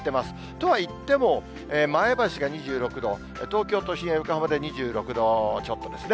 とはいっても、前橋が２６度、東京都心や横浜で２６度ちょっとですね。